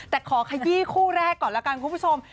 แต่ขอขยี้คู่แรกก่อนแล้วกันคุณผู้ชม